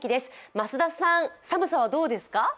増田さん、寒さはどうですか？